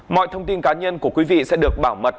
mọi thông tin cá nhân của quý vị sẽ được bảo mật